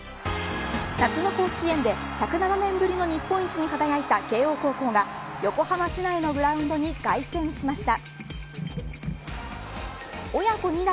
夏の甲子園で１０７年ぶりの日本一に輝いた慶應高校が横浜市内のグラウンドに凱旋しました。